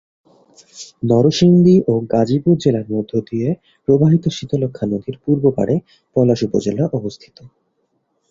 নরসিংদী ও গাজীপুর জেলার মধ্য দিয়ে প্রবাহিত শীতলক্ষ্যা নদীর পূর্ব পাড়ে পলাশ উপজেলা অবস্থিত।